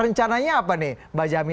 rencananya apa nih mbak jami